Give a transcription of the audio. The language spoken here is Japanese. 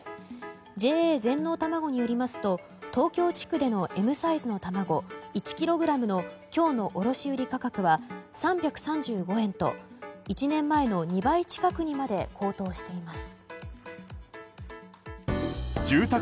ＪＡ全農たまごによりますと東京地区でのＭサイズの卵１ｋｇの今日の卸売価格は３３５円と１年前の２倍近くにまで高騰しています。